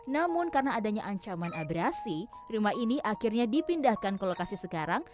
namun karena adanya ancaman abrasi rumah ini akhirnya dipindahkan ke lokasi sekarang